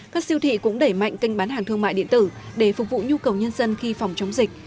các siêu thị cũng đẩy mạnh kênh bán hàng thương mại điện tử để phục vụ nhu cầu nhân dân khi phòng chống dịch